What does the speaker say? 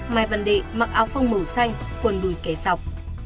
mai văn đệ mặc áo phông màu xanh quần bùi kẻ sọc